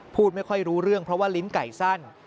พูดไม่ค่อยรู้เรื่องเพราะว่าลิ้นไก่สั้น